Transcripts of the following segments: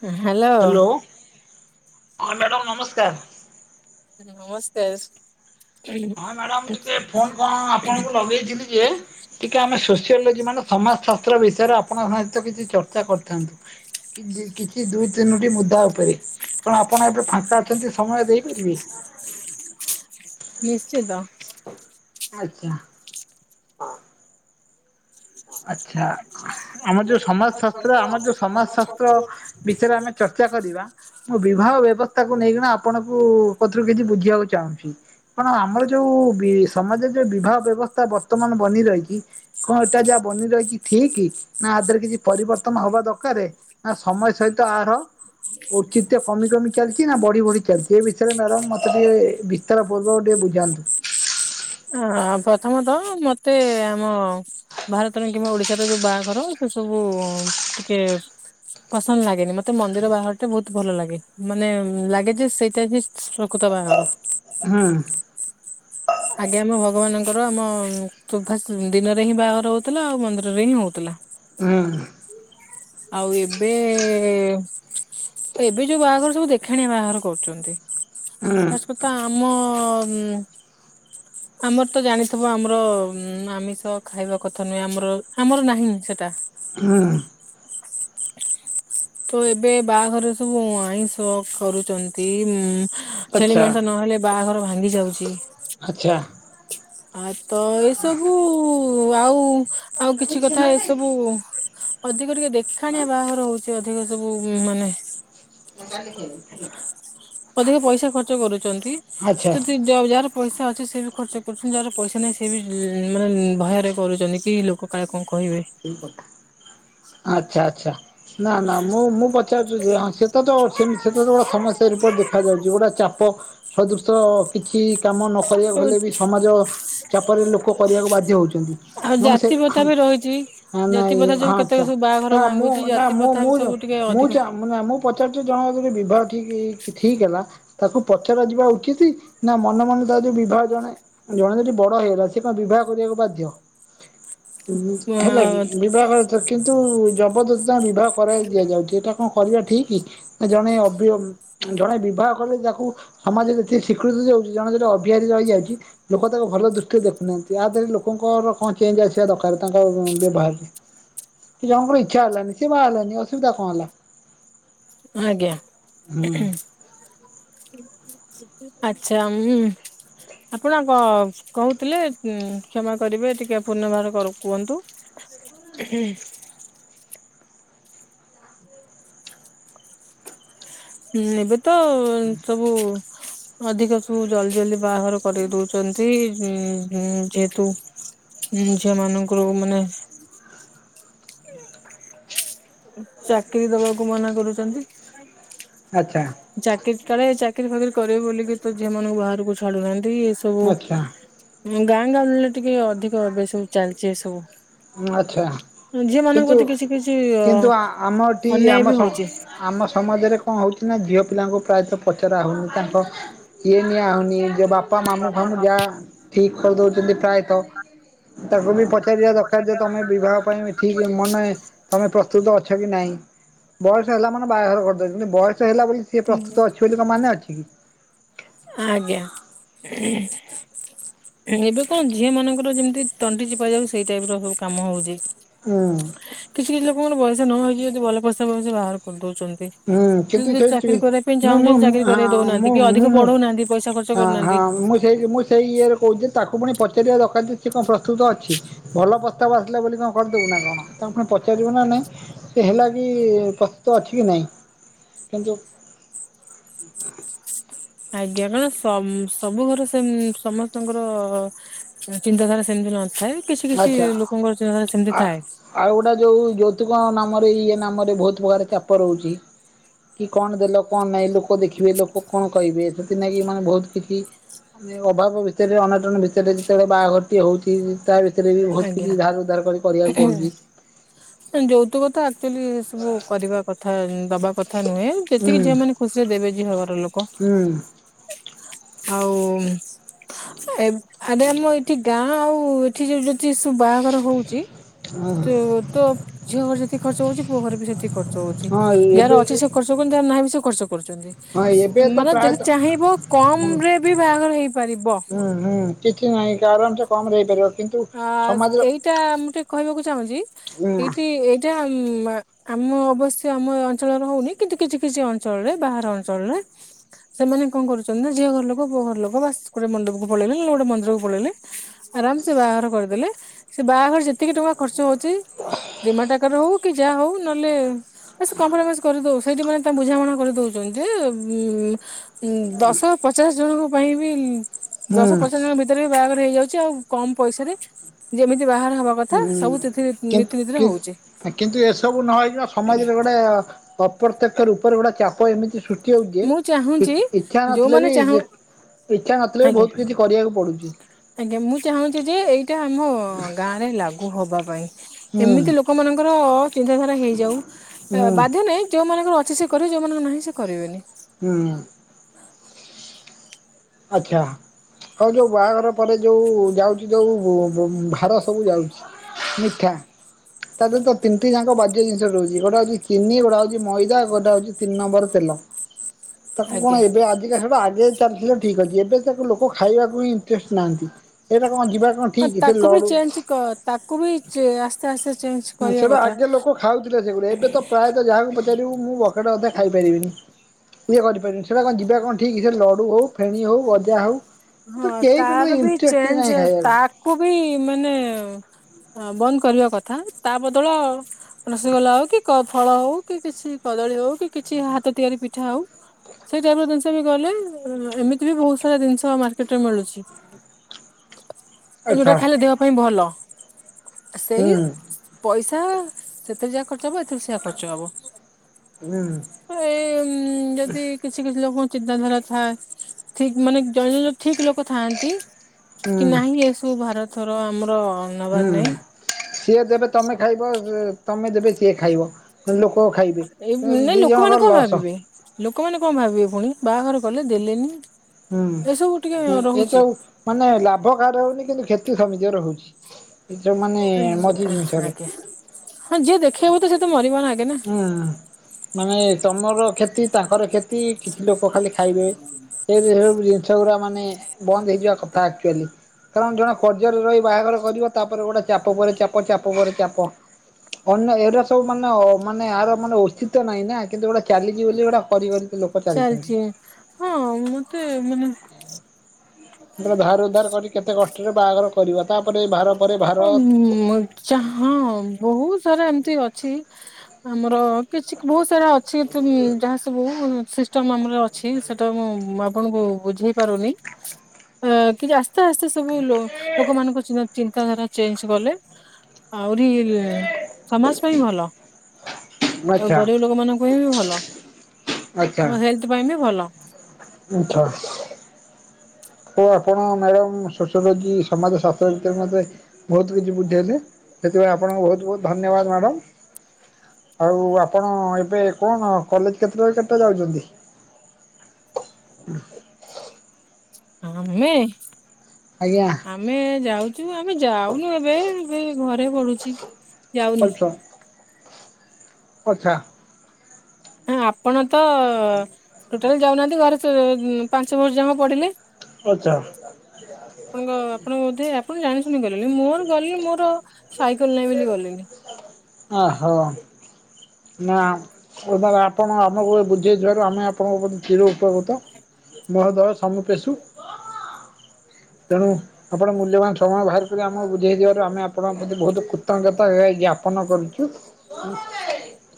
ହୁଁ hello. Hello ହଁ, madam ନମସ୍କାର। ନମସ୍କାର ହଁ ମ୍ୟାଡାମ ଟିକେ ଫୋନ କଣ ଆପଣଙ୍କୁ ଲଗେଇଥିଲି ଯେ, ଟିକେ ଆମେ ସୋସିଓଲୋଜି ମାନେ ସମାଜ ଶାସ୍ତ୍ର ବିଷୟରେ ଆପଣଙ୍କ ସହିତ କିଛି ଚର୍ଚ୍ଚା କରିଥାନ୍ତୁ କିଛି ଦୁଇ ତିନୋଟି ମୁଦା ଉପରେ। କଣ ଆପଣ ଏବେ ଫାଙ୍କା ଅଛନ୍ତି ସମୟ ଦେଇପାରିବେ? [inaudible] ଆଜ୍ଞା, ହଁ ଅ ଆଚ୍ଛା। ଆମର ଯୋଉ ସମାଜ ଶାସ୍ତ୍ର ଆମର ଯୋଉ ସମାଜ ଶାସ୍ତ୍ର ବିଷୟରେ ଆମେ ଚର୍ଚ୍ଚା କରିବା, ମ ବିବାହ ବ୍ୟବସ୍ଥାକୁ ନେଇକିନା ଅପଣଙ୍କୁ ପଟରୁ କିଛି ବୁଝିବାକୁ ଚାହୁଁଛି କଣ ଆମର ଯୋଉ ବି ସମାଜରେ ଯୋଉ ବିବାହ ବ୍ୟବସ୍ଥା ବର୍ତ୍ତମାନ ବନି ରହିଛି କ ଏଟା ଯାହା ବନି ରହିଛି ଠିକି? ନା ଆ ଦେହରେ କିଛି ପରିବର୍ତ୍ତନ ହେବା ଦରକାରେ ନା ସମୟ ସହିତ ଏହାର ଔଚିତ୍ୟ କମି କମି ଚାଲିଛି ନା ବଢ଼ି ବଢ଼ି ଚାଲିଛି ଏ ବିଷୟରେ ମ୍ୟାଡ଼ମ୍ ମୋତେ ଟିକେ ବିସ୍ତାର ପୂର୍ବକ ଟିକେ ବୁଝାନ୍ତୁ। ଆ ପ୍ରଥମତଃ ମତେ ଆମ ଭାରତର କିମ୍ବା ଓଡିଶାର ଯୋଉ ବାହାଘର ସେ ସବୁ ଟିକେ ପସନ୍ଦ ଲାଗେନି, ମତେ ମନ୍ଦିର ବାହାଘର ଟେ ବହୁତ ଭଲ ଲାଗେ ମାନେ ଲାଗେ ଯେ ସେଇଟା ହି ପ୍ରକୃତ ବାହାଘର। ହଁ। ଆଜ୍ଞା ଆମ ଭଗବାନଙ୍କର ଆମ ତ ଫାଷ୍ଟ ଦିନରେ ହିଁ ବାହାଘର ହଉଥିଲା ଆଉ ମନ୍ଦିରରେ ହିଁ ହଉଥିଲା। ହୁଁ ଆଉ ଏବେ ଏବେ ଯୋଉ ବାହାଘର ସବୁ ଦେଖାଣିଆ ବାହାଘର କରୁଛନ୍ତି ହୁଁ ଖାସ କଥା ଆମ ଆମର ତ ଜାଣିଥିବ ଆମର ଆମିଷ ଖାଇବା କଥା ନୁହେଁ ଆମର ଆମର ନାହିଁ ସେଟା ହୁଁ ତ ଏବେ ବାହାଘରେ ସବୁ ଆଇଂଶ କରୁଛନ୍ତି ଉମ ଛେଳି ଆଚ୍ଛା ମାଂସ ନହେଲେ ବାହାଘର ଭାଙ୍ଗି ଯାଉଛି। ଆଚ୍ଛା, ଆଉ ତ ଏସବୁ ଆଉ ଆଉ କିଛି କଥା ଏ ସବୁ, ଅଧିକ ଟିକେ ଦେଖାଣିଆ ବାଘର ହଉଛି ଅଧିକ ସବୁ ମାନେ, ଅଧିକା ପଇସା ଖର୍ଚ୍ଚ କରୁ ଛନ୍ତି, ଆଚ୍ଛା ତ ଯେତିକି ରଜଗାର ପଇସା ଅଛି ସେ ବି ଖର୍ଚ୍ଚ କରୁଛନ୍ତି ଯାହାର ପଇସା ନାହିଁ ସେ ବି ମାନେ ଭୟରେ କରୁଛନ୍ତି କି ଲୋକ କାଳେ କଣ କହିବେ। ଠିକ କଥା, ଆଛା, ଆଛା। ନା ନା ମୁଁ ମୁଁ ପଚାରୁଛି ଯେ ହଁ ସେତ ଯୋଉ ସେମ ସେତ ଯୋଉ ସମସ୍ୟା ଦେଖା ଯାଉଛି ଗୋଟେ ଚାପ ସଦ ତ କିଛି କାମ ନ କରିବାକୁ ହେଲେ ବି ସମାଜ ଚାପରେ ଲୋକ କରିବାକୁ ବାଧ୍ୟ ହଉଛନ୍ତି ଆଉ ହଁ ମୁଁ ସେ ଜାତି ପ୍ରଥା ବି ରହିଛି। ହା ଜାତି ନାଇଁ ପ୍ରଥା ଯୋଉ ହା କେତେକ ଆଜ୍ଞା, ସବୁ ବାହାଘର ନା ମୁଁ ଭାଙ୍ଗୁଛି ନା ଜାତି ମୁଁ ପ୍ରଥା ବି ମୁ ସବୁ ଟିକେ ମୁଁ ଅଧିକ ନା ମୁଁ ପଚାରୁଚି ଜଣଙ୍କ ଯଦି ବିବାହ ଠିକ ହେଇ ଠିକ ହେଲା, ତାକୁ ପଚରା ଯିବା ଉଚିତି? ନା ମନ ମନ ତାକୁ ଯୋଉ ବିବାହ ଜଣେ ଜଣେ ଯଦି ବଡ ହେଇଗଲା ସେ କଣ ବିବାହ କରିବାକୁ‌ ବାଧ୍ୟ? ହୁଁ ହେଲାକି ବିଭାଘରଟା କିନ୍ତୁ ଜବରଦସ୍ତି ତାଙ୍କ ବିବାହ କରାଇ ଦିଆଯାଉଛି ଏଇଟା କଣ କରିବା ଠିକ କି? ନା ଜଣ ଜଣେ ଅବିହମ ଜଣେ ବିବାହ କଲେ ତାକୁ ସମାଜରେ ଯେତିକି ସ୍ୱୀକୃତ ଦେଉଛି ଜଣେ ଅବିହାରି ରହିଯାଉଛି ଲୋକ ତାକୁ ଭଲ ଦୃଷ୍ଟିରେ ଦେଖୁନାହାନ୍ତି ୟା ଦେହରେ ଲୋକଙ୍କର କଣ ଚେଞ୍ଜ ଆସିବା ଦରକାର ତାଙ୍କ ତାଙ୍କ ବ୍ୟବହାରରେ, ଜଣଙ୍କର ଇଚ୍ଛା ହେଲାନି ସେ ବାହା ହେଲାନି ଅସୁବିଧା କଣ ହେଲା? ଆଜ୍ଞା। ହୁଁ ଆଛା ହମ୍ ଆପଣ କ କହୁଥିଲେ କ୍ଷମା କରିବେ ଟିକେ ପୁର୍ଣବାର କୁହନ୍ତୁ। ହୁଁ ଏବେ ତ ସବୁ ଅଧିକ ସବୁ ଜଲଦି ଜଲଦି ବାହାଘର କରେଇଦଉଛନ୍ତି। ହଁ ହଁ ଯେହେତୁ ଝିଅ ମାନଙ୍କର ମାନେ [unintelligible] ଉ ଚାକିରି ଦବାକୁ ମନା କରୁଛ। ଛନ୍ତି। ଆଚ୍ଛା ଚାକିରି କାଳେ ଚାକ ଚାକିରି ଫାକିରି କରିବ ବୋଲିକି ତ ଝୀଅମାନଙ୍କୁ ବାହାରକୁ ଛାଡୁନାହାନ୍ତି। ନ୍ତି ଏ ଆଚ୍ଛା ସବୁ ଗାଁ ଗାଉଁଲି ଟିକେ ଅଧିକ ଏବେ ସବୁ ଚାଲିଛି ଏ ଆଚ୍ଛା ସବୁ ଝିଅ ମାନଙ୍କ ପ୍ରତି କିଛି କିଛି ଅ ତୁ ଆମଟି ଅନ୍ୟାୟ ଆମ ବି ହଉଛି। ଆମ ସମାଜରେ କଣ ହେଉଛି ସିନା ଝିଅ ପିଲାଙ୍କୁ ପ୍ରାୟତଃ ପଚରା ହଉନି ତାଙ୍କ ଇଏ ନିଆ ହଉନି ଯେ ବାପା ପାପା ମାମୁଁ ଫାମୁଁ ଯା ଠିକ୍ କରିଦଉଛନ୍ତି ପ୍ରାୟ ତ ତାକୁ ବି ପଚାରିବା ଦର ତମେ ବିବାହ ପାଇଁ ଠିକ ମନେ ତମେ ପ୍ରସ୍ତୁତ ଅଛ କି ନାଇଁ ବୟସ ହେଲା ମାନେ ବାହାଘର କରିଦେଉଛନ୍ତି ବୟସ ହେଲା ବୋଲି ସିଏ ହୁଁ ପ୍ରସ୍ତୁତ ଅଛି ବୋଲି ମାନେ ଅଛି। ଆଜ୍ଞା ଏବେ କଣ ଝିଅ ମାନଙ୍କର ଯେମିତି ତଣ୍ଟି ଚିପା ଯାଉ ସେଇ ଟାଇପ ର ସବୁ କାମ ହଉଛି। ହୁଁ କିଛି କିଛି ଲୋକଙ୍କର ବୟସ ନ ହେଇଯିବ ଯଦିଭଲ ପଇସା ପାଉଛି ବାଘର କରିଦଉଛନ୍ତି। ହୁଁ କିନ୍ତୁ ଯଦି ସେ ଚାକିରି କରିବା ପାଇଁ ଚାହୁଁଛନ୍ତି ଚାକିରି କରେଇ ଦଉନାହାନ୍ତି କି ଅଧିକ ଉଁ ପଢଉନାହାନ୍ତି ପଇସା ଖର୍ଚ୍ଚ ହଁ ହଁ କରୁନାହାନ୍ତି। ମୁଁ ସେଇ ମୁଁ ସେଇ ଇଏ ରେ କହୁଛି ଯେ ତାକୁ ପୁଣୀ ପଚାରିବା ଦରକାର ଯେ ସେ କଣ ପ୍ରସ୍ତୁତ ଅଛି ଭଲ ପ୍ରସ୍ତାବ ଆସିଲା ବୋଲି କଣ କରିଦେବୁ ନା କଣ ତାକୁ ପୁଣୀ ପଚାରିବୁ ନା ନାହିଁ ସେ ହେଲା ବି ପ୍ରସ୍ତୁତ ଅଛି କି ନାହିଁ। କିନ୍ତୁ ଆଜ୍ଞା କାଇଁନା ସମ ସବୁ ଘର ସେମ ସମସ୍ତଙ୍କର ଚିନ୍ତାଧାରା ସେମିତି ନାହିଁ। ଆଛା ଆ ଥାଏ। ଆଉଗୋଟା ଯୋଉ ଜୋତୁକ ମା ଆମର ଇଏ ନାମରେ ବହୁତ ପ୍ରକାର ଚାପ ରହୁଛି କି କଣ ଦେଲ କଣ ନାହିଁ ଲୋକ ଦେଖିବେ ଲୋକ କଣ କହିବେ ସେଥିନାଗି ମାନେ ବହୁତ କିଛି ମାନେ ଅଭାବ ଭିତରେ ଅନାଟନ ଭିତରେ ଯେତେବେଳେ ବାହାଘର ଟିଏ ହଉଛି। ତା ଭି ତେରେ ବି ବହୁତ କିଛି ଆଜ୍ଞା ଧାର ଉଦ୍ଧାର କରି କରିବାକୁ ପଡୁଛି। ଯୌତୁକ ତ ଆକ୍ଚୁଆଲି ଏ ସବୁ କରିବା କଥା ଦବା କଥା। କଥା ନୁହେଁ ହୁଁ ଯେତିକି ଝିଅ ମାନେ ଖୁସିରେ ଦେବେ ଝିଅ ଘର ଲୋକ ହୁଁ ଆଉ ଏବ ଆରେ ଆମ ଏଇଠି ଗାଁ ଆଉ ଉ ଠି ଯା ଇ [unintelligible] ଚି ବାହାଘର ହଉଛି ହୁଁ। ଏବେ ତ ଝିଅ ଘରେ ଯେତିକି ଖର୍ଚ୍ଚ ହଉଛି ପୁଅ ଘରେ ବି ସେତିକି ଖର୍ଚ୍ଚ ହଉଛି ହଁ ଯାହାର ଏବେ ଅଛି ସେ ଖର୍ଚ୍ଚ କରୁଛି ଯାହାର ନାହିଁ ବି ସେ ଖର୍ଚ୍ଚ କର କରୁଛନ୍ତି ହଁ ଏବେ ସ ତ ମାନେ ଯଦି ପ୍ରାୟତଃ ଚାହିଁବ କମ ହୁଁ ରେ ବି ବାହାଘର ହେଇପାରିବ। କମ ରେ ହେଇପାରିବ। କିନ୍ତୁ ଆ ସ ସମାଜର ସେଇଟା ମୁଁ ଟିକେ କହିବାକୁ ଚାହୁଁଛି ହୁଁ ଏଇଠି ଏଇଟା ମା ଆମ ଅବଶ୍ୟ ଆମ ଏ ଅଞ୍ଚଳରେ ହଉନି କିନ୍ତୁ କିଛି କିଛି ଅଞ୍ଚଳରେ ବାହାର ଅଞ୍ଚଳରେ ସେମାନେ କଣ କରୁଛନ୍ତି ନା ଝିଅ ଘର ଲୋକ ପୁଅ ଘର ଲୋକ ବାସ ଗୋଟେ ମଣ୍ଡପକୁ ପଳେଇଲେ ନହେଲେ ଗୋଟେ ମନ୍ଦିର କୁ ପଳେଇଲେ ଆରାମ ସେ ବାହାଘର କରିଦେଲେ ସେ ବାହାଘର ଯେତିକି ଟଙ୍କା ଖର୍ଚ୍ଚ ହଉ ଚି ଡିମାଟ ଆକାର ରେ ହଉ କି ଯାହା ହଉ ନହେଲେ ବସ କମ୍ପ୍ରମାଇଜ କରିଦଉ ସେଇଠି ମାନେ ତା ବୁଝାମଣା କରିଦଉଛନ୍ତି ଯେ ଉ ଦଶ ପଚାଶ ଜଣଙ୍କ ପାଇଁ ବି ହୁଁ ଦଶ ପଚାଶ ଜଣ ଭିତରେ ବି ବାହାଘର ହେଇଯାଉଛି। ଚଉ କମ ପଇସା ରେ ଯେମିତି, କଥା ହୁଁ ସବୁ ତିଥି କିନ୍ତୁ ନୀତିନୀତିରେ ହଉଛି କିନ କିନ୍ତୁ ଏସବୁ ନହେଇ କି ସମାଜରେ ଗୋଟେ ପ୍ରତ୍ୟକ ତ ର ଉପରେ ଗୁଟା ଚାପ ଏମିତି ସୃ ମୁଁ ଚାହୁଁଛି ଯୋଉମାନେ ବି ଚାହୁଁ ଇଚ୍ଛା ନଥିଲେ ବି ଆଜ୍ଞା ବହୁତ କିଛି କରିବାକୁ ପଡୁଛି ଆଜ୍ଞା ମୁଁ ଚାହୁଁଛି ଯେ ଏଇଟା ଆମ ହଁ ଗାଁରେ ଲାଗୁ ହବା ପାଇଁ ହୁଁ ଏମିତି ଲୋକମାନଙ୍କର ଅ ଚିନ୍ତାଧାରା ହେଇଯାଉ ହୁଁ ବାଧ୍ୟ ନାଇଁ ଯୋଉ ମାନଙ୍କର ଅଛି ସେ କରିବ ଯେଉଁମାନଙ୍କର ନାହିଁ ସେ କରିବେନି। ହୁଁ ଆଚ୍ଛା ହଉ ଯୋଉ ବାହାଘର ପରେ ଯୋଉ ଯାଉଛି ଯୋଉ ଭାର ସବୁ ଯାଉଛି। ମିଠା ତାହାଲେ ତ ତିନିଟି ଯାକ ବାଜ୍ୟ ଜିନିଷ ରହୁଛି ଗୋଟେ ହଉଛି ଚିନି ଗୋଟେ ହଉଛି ମଇଦା ଗୋଟେ ହଉଛି ତିନି ନମ୍ବର ତେଲ ତାକୁ କଣ ଆଜ୍ଞା। ଏବେ ଆଜିକା ଖାଇବା ଆଗେ [unintelligible] ଠିକ ଅଛି ଏବେ ତାକୁ ଲୋକ ଖାଇବାକୁ ହିଁ ଇଣ୍ଟରେଷ୍ଟ ନାହାନ୍ତି ଏଇଟା କଣ ଯିବା କଣ ଠିକ୍ ସେ ତାକୁ ବି ଲଡୁ ଚେଞ୍ଜ କ ତାକୁ ବି ଆସ୍ତେ ଆସ୍ତେ ଚେଞ୍ଜ ହୁଁ କରିବା ସେଇଟା କଥା। ଆଗେ ଲୋକ ଖାଉଥିଲେ ସେଗୁଡା ଏବେ ତ ପ୍ରାୟତଃ ଯାହାକୁ ପଚାରିବୁ ମୁଁ ବକେଟେ ଅଧେ ଖାଇପାରିବିନି ଇଏ କରିପାରିବିନି ସେଇଟା କଣ ଯିବା କଣ ଠିକ୍ ସେ ଲଡ଼ୁ ହଉ ଫେଣି ହଉ ଗଜା ହଉ ତ ହଁ କେହି ଟୋଟାଲି ତାର ବି ଇଣ୍ଟରେଷ୍ଟ ନାହିଁ ଚେଞ୍ଜ ଖାଇବାକୁ ତାକୁ ବି ମାନେ ହଁ ବନ୍ଦ କରିବା କଥା ତା ବଦଳ ରସଗୋଲା ହଉ କି ଫଳ ହଉ କି କିଛି କଦଳୀ ହଉ କି କିଛି ହାତ ତିଆରି ପିଠା ହଉ ସେଇ ଟାଇପ ର ଜିନିଷ ବି ଗଲେ ହେମିତି ବହୁତ ସାରା ଜିନିଷ ମାର୍କେଟ ରେ ମିଳୁଛି। ଯୋଉଟା ଆଚ୍ଛା ଖାଇଲେ ଦେହ ପାଇଁ ଭଲ। ହୁଁ ସେଇ ପଇସା ସେତେରେ ଯାହା ଖର୍ଚ୍ଚ ଖର୍ଚ୍ଚ ହବ ଏଥିରୁ ସେୟା ଖର୍ଚ୍ଚ ହୁଁ ହବ ଏ ଯଦି କିଛି କିଛି ଲୋକ ଚିନ୍ତାଧାରା ଥାଏ। ଠିକ ମାନେ ଜଣେ ଜଣ ଠିକ ଲୋକ ଥାଆନ୍ତି। କି ନାହିଁ ଏସବୁ ଭାରତ ଥର ଆମ ହୁଁ ହୁଁ ସିଏ ଦେବେ ତମେ ଖାଇବ। ତମେ ଦେବେ ସିଏ ଖାଇବ ଲୋକ ଖାଇବେ କିନ୍ତୁ ଏଇ ଦି ଲୋକମାନେ ଜଣଙ୍କର କଣ ଲସ୍ ଭାବିବେ ଲୋକମାନେ କଣ ଭାବିବେ ପୁଣି ବାହାଘର କଲେ ଦେଲେନି ହୁଁ ଏସବୁ ଟିକେ ରହୁଛି ସେଥିଯୋଗୁଁ ମାନେ ଲାଭ କାହାର ହଉନି କିନ୍ତୁ କ୍ଷତି କମଜୋର ହଉଛି। ଏ ଯୋଉ ମାନେ ମଝି ଆଜ୍ଞା ଜିନିଷରେ ହଁ ଯିଏ ଦେଖେଇବ ତ ସେ ତ ମରିବ ନା। ଆଗେ ନା ହୁଁ ମାନେ ଏଁ ତମର କ୍ଷତି ତାଙ୍କର କ୍ଷତି କିଛି ଲୋକ ଖାଲି ଖାଇବେ। ସେ ବି ସବୁ ଜିନିଷ ଗୁରା ମାନେ ବନ୍ଦ ହେଇଯିବା କଥା ଆକ୍ଚୁଆଲି। କାରଣ ଜଣେ କରଜରେ ରହି ବାହାଘର କରିବ ତାପରେ ଗୋଟେ ଚାପ ପରେ ଚାପ ଚାପ ପରେ ଚାପ ଅନ୍ୟ ଏଉରା ସବୁ ମାନେ ଅ ମାନେ ଏହାର ମାନେ ଉଚିତ ନାହିଁ ନାଁ କିନ୍ତୁ ଗୋଟେ ଚାଲିଚି ବୋଲି ଗୋଟେ କରିିକରି ଚାଲିଚି ହଁ ମତେ ମାନେ ହେତିରେ ଧାର ଉଧାର କରି କେତେ କଷ୍ଟରେ ବାହାଘର କରିବା ତାପରେ ଭାର ପରେ ଲୋକ ଭାର ପା ଉଁ ଚା ହଁ ବୋହୁତ ସାରା ଏମତି ଅଛି ଆମର କିଛି କ୍ ବୋହୁତ୍ ଯାହା ଅଛି ତୁ ଯାହା ସବୁ ଉଁ ସିଷ୍ଟମ୍ ଆମର ର ଅଛି ସେଟା ମୁଁ ଆପଣଙ୍କୁ ବୁଝେଇ ପାରୁନି। ଅ କି ଜାସ୍ ତେ ଆସ୍ତେ ସବୁ ଲୋ ଲୋକମାନଙ୍କୁ ଚିହ୍ନ ଚିନ୍ତାଧାରା ଚେଞ୍ଚ୍ କଲେ ଆହୁରି ସମାଜ ପାଇଁ ଭଲ। ଆଉ ଆଚ୍ଛା ଗରିବ ଲୋକମାନଙ୍କ ପାଇଁ ବି ଭଲ। ଆମ ହେଲ୍ଥ ପାଇଁ ବି ଭଲ। ଉଁ ଛ ହୋଉ ଆପଣ ମ୍ୟାଡ଼ମ ସୋସିଓଲୋଜି ସମାଜ ରଛି ସମାଜ ଶା୍ର ମେ ବୋହୁତ କିଛି ବୁଝେଇଲେ। ସେଥିପାଇଁ ଆପଣଙ୍କୁ ବୋହୁତ ବୋହୁତ ଧନ୍ୟବାଦ ମ୍ୟାଡ଼ମ୍। ଆଉ ଆପଣ ଏବେ କଣ କଲେଜ କେତେଟାରୁ କେତେଟା ଯାଉଚନ୍ତି? ଆମେ ଆଜ୍ଞା ଆମେ ଯାଉଚୁ ଆମେ ଯାଉନୁ ଏବେ ଏବେ ଘ ରେ ପଢୁଚି। ଯାଉନି। ଆଛା। ଉଁ ଆପଣ ତ ଟୋଟାଲ ଯାଉନାହାନ୍ତି ଘରେ ଏ ପାଞ୍ଚ ବର୍ଷ ଯାଁକ ପଢ଼ିଲେ। ଆଚ୍ଛା ଆପଣଙ୍କ ଆପଣଙ୍କ ବୋଧେ ଆପଣ ଜାଣି [unintelligible] ମୋର ଗଲି ମୋର ସାଇକେଲ ନାହିଁ ବୋଲି ଗଲିନି। ନାଁ କୋଉତାରେ ଆପଣ ଆମୁକୁ ବୁଝେଇଥିବାରୁ ଆମେ ଆପଣଙ୍କ ପ୍ରତି ଚିରଉପକୃତ ମହୋଦୟ ସମିପେଷୁ ତେଣୁ ଆପଣ ମୂଲ୍ୟବାନ ସମୟ ଭାର ଟିକେ ଆମୁକୁ ବୁଝେଇଥିବାରୁ ଆମେ ଆପଣଙ୍କ ପ୍ରତି ବୋହୁତ କୃତଜ୍ଞତା ଏ ଜ୍ଞାପନ କରୁଚୁ। ଉଁ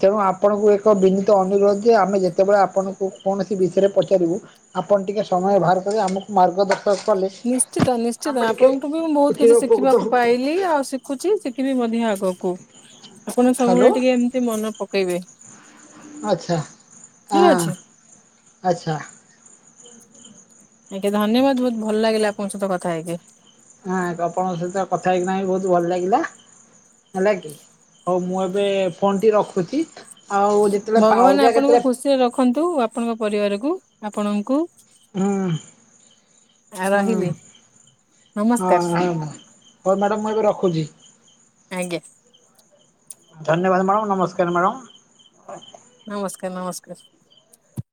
ତେଣୁ ଆପଣଙ୍କୁ ଏକ ବିନୀତ ଅନୁରୋଧ ଯେ ଆମେ ଯେତୋବେଳେ ଆପଣଙ୍କୁ କୌଣସି ବିଷୟରେ ପଚାରିବୁ ଆପଣ ଟିକେ ସମୟ ବାହାର କରି ଆମୁକୁ ମାର୍ରଗଦ ନିଶ୍ଚିତ ନିଶ୍ଚିତ ଆପଣଙ୍କଠୁ ବି ମୁଁ ବୋହୁତ ଚିର କିଛି ଉପକୃତ ଶିଖିବାକୁ ହବୁ। ପାଇଲି ଆଉ ଶିଖୁଚି ଶିଖିବି ମଧ୍ୟ ଆଗକୁ। ଆପଣ ହ୍ୟାଲୋ ସବୁବେଳେ ଟିକେ ଏମତି ମନ ପକେଇବେ। [inaudible] ଆଛା ଅ ଠିକ ଅଛି। ଆଛା। ଆଜ୍ଞା ଧନ୍ୟବାଦ ବୋହୁତ ଭଲ ଲାଗିଲା ଆପଣଙ୍କ ସହିତ କଥା ହେଇକି ହଁ ଆପଣଙ୍କ ସହିତ କଥା ହେଇକିନା ବି ବୋହୁତ ଭଲ ଲାଗିଲା ହେଲା କି ହଉ ମୁଁ ଏବେ ଫୋନଟି ରଖୁଚି। ଭଗବାନ ଆପଣଙ୍କୁ ଖୁସିରେ ରଖନ୍ତୁ ଆପଣଙ୍କ ପରିବାରକୁ ଆପଣଙ୍କୁ ହଁ ହଁ ରହିଲି ହଁ ନମସ୍କାର ଭାଇ ବନ୍ଧ ହୋଉ ମ୍ୟାଡ଼ାମ ମୁଁ ଏବେ ରଖୁଚି। ଆଜ୍ଞା ଧନ୍ୟବାଦ ମାଡ଼ମ୍ ନମସ୍କାର ମାଡ଼ମ୍। ନମସ୍କାର ନମସ୍କାର।